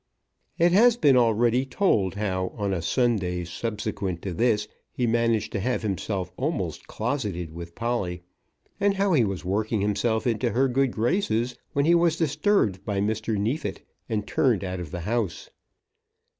It has been already told how, on a Sunday subsequent to this, he managed to have himself almost closeted with Polly, and how he was working himself into her good graces, when he was disturbed by Mr. Neefit and turned out of the house.